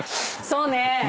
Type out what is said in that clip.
そうね。